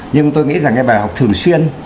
nhưng tôi nghĩ rằng cái bài học thường xuyên